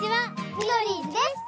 ミドリーズです！